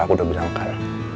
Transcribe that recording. aku udah bilang kan